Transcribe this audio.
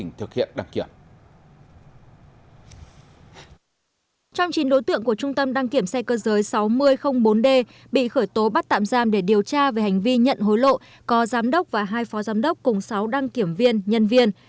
trong chín đối tượng của trung tâm đăng kiểm xe cơ giới sáu nghìn bốn d bị khởi tố bắt tạm giam để điều tra về hành vi nhận hối lộ có giám đốc và hai phó giám đốc cùng sáu đăng kiểm viên nhân viên